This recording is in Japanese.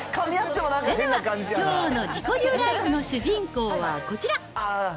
それでは、きょうの自己流ライフの主人公はこちら。